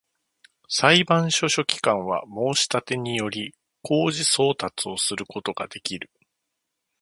裁判所書記官は、申立てにより、公示送達をすることができる